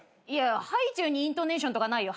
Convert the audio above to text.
ハイチュウにイントネーションとかないよ。